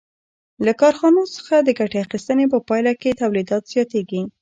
له کارخانو څخه د ګټې اخیستنې په پایله کې تولیدات زیاتېږي